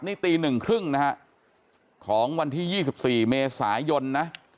นี่ตีหนึ่งครึ่งนะฮะของวันที่๒๔เมษฐ์สายยนต์นะ